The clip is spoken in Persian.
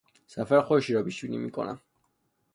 سفر خوشی را پیش بینی میکنم.